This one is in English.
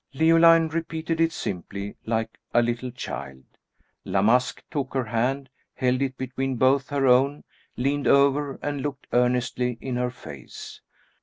Leoline repeated it simply, like a little child. La Masque took her hand, held it between both her own, leaned over and looked earnestly in her face.